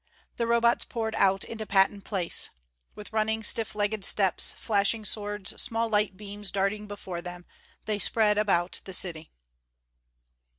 The Robots poured out into Patton Place. With running, stiff legged steps, flashing swords, small light beams darting before them, they spread about the city....